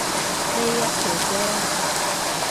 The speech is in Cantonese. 呢一條啫